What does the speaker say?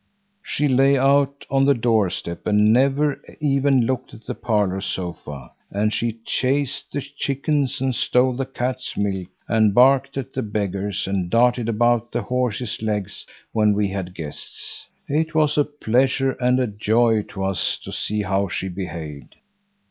"She lay out on the doorstep and never even looked at the parlor sofa, and she chased the chickens, and stole the cat's milk, and barked at beggars, and darted about the horses' legs when we had guests. It was a pleasure and a joy to us to see how she behaved.